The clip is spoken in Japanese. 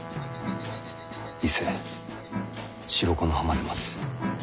伊勢・白子の浜で待つ。